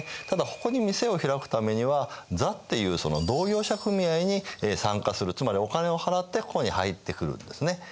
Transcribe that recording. ただここに店を開くためには座っていう同業者組合に参加するつまりお金を払ってここに入ってくるんですね。